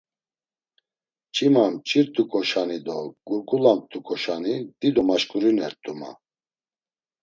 Mç̌ima mç̌irt̆uǩoşani do gurgulamt̆uǩoşani dido maşǩurinert̆u ma.